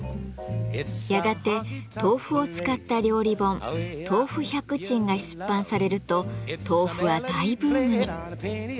やがて豆腐を使った料理本「豆腐百珍」が出版されると豆腐は大ブームに。